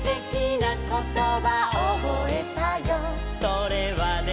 「それはね」